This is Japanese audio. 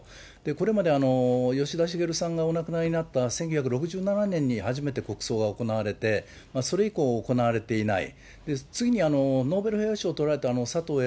これまで吉田茂さんがお亡くなりになった１９６７年に初めて国葬が行われ、それ以降、行われていない。